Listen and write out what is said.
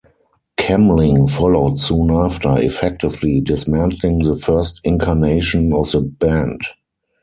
Kemling followed soon after, effectively dismantling the first incarnation of the band.